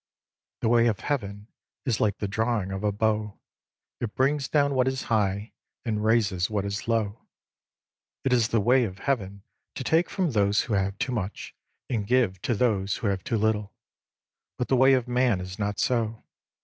The Way of Heaven is like the drawing of a bow : it brings down what is high and raises what is low. It is the Way of Heaven to take from those who have too much, and give to those who have too little. But the way of man is not so.